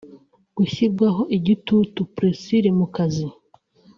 gushyirwaho igitutu (Pressure)mu kazi